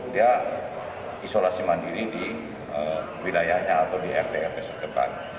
dia isolasi mandiri di wilayahnya atau di rtfp setekan